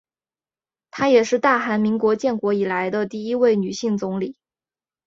她也是大韩民国建国以来的第一位女性总理。